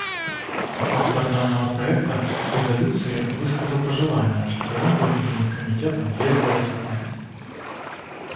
Автор данного проекта резолюции высказал пожелание, чтобы он был принят Комитетом без голосования.